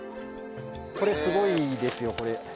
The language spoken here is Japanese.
これすごいですよこれ。